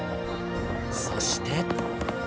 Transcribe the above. そして。